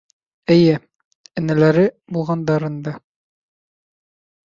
Эйе, энәләре булғандарын да.